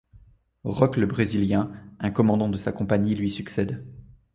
Roch le Brésilien, un commandant de sa compagnie lui succède.